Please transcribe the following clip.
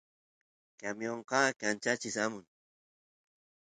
camionqa kanchachis amun